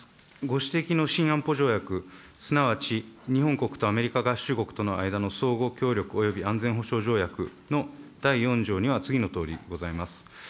ご指摘の新安保条約すなわち日本とアメリカ合衆国との間の相互協力および安全保障条約の第４条には次のとおりございます。